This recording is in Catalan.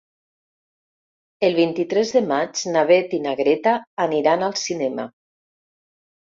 El vint-i-tres de maig na Beth i na Greta aniran al cinema.